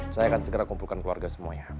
saya akan segera kumpulkan keluarga semuanya